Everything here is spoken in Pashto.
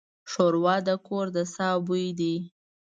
ښوروا د کور د ساه بوی دی.